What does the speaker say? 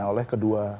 jadi kandidat tersusun